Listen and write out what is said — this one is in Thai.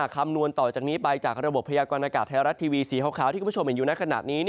คำนวณต่อจากนี้ไปจากระบบพยากรณากาศไทยรัฐทีวีสีขาวที่คุณผู้ชมเห็นอยู่ในขณะนี้